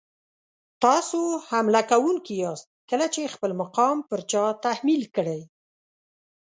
تاسو حمله کوونکي یاست کله چې خپل مقام پر چا تحمیل کړئ.